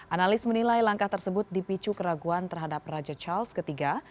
analis menilai langkah tersebut dipicu keraguan terhadap raja charles iii